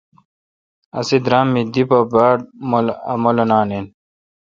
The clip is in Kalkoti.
اسی درام می دی پہ باڑ اؘمولانان این۔